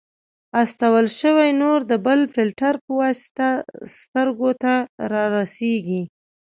استول شوی نور د بل فلټر په واسطه سترګو ته رارسیږي.